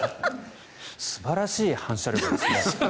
素晴らしい反射力ですね。